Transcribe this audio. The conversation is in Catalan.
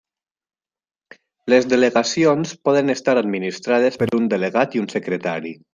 Les delegacions poden estar administrades per un delegat i un secretari.